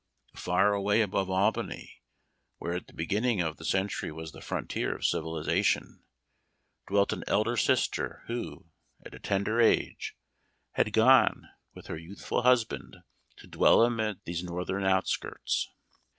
Far away above Albany, where at the begin ing of the century was the frontier of civiliza tion, dwelt an elder sister, who, at a tender age, Memoir of Washington Irving. 23 had gone, with her youthful husband, to dwell amid those northern outskirts.